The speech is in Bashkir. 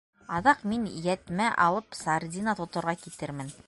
Аҙаҡ мин йәтмә алып сардина тоторға китермен.